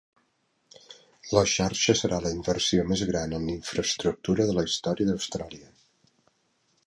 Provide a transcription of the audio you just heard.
La xarxa serà la inversió més gran en infraestructura de la història d'Austràlia.